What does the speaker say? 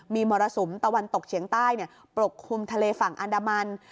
มีมรสุมตะวันตกเฉียงใต้ปกคลุมทะเลฝั่งอันดามัน